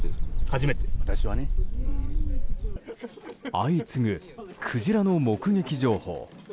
相次ぐクジラの目撃情報。